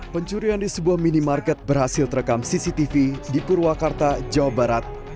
pencurian di sebuah minimarket berhasil terekam cctv di purwakarta jawa barat